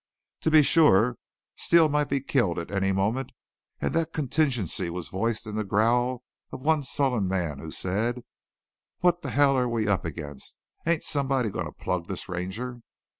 To be sure, Steele might be killed at any moment, and that contingency was voiced in the growl of one sullen man who said: "Wot the hell are we up against? Ain't somebody goin' to plug this Ranger?"